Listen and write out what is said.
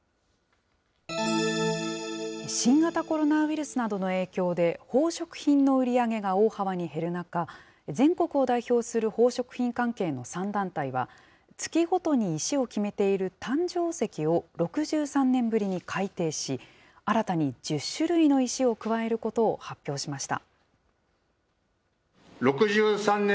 新型コロナウイルスなどの影響で、宝飾品の売り上げが大幅に減る中、全国を代表する宝飾品関係の３団体は、月ごとに石を決めている誕生石を６３年ぶりに改定し、新たに１０種類の石を加えることを発表しました。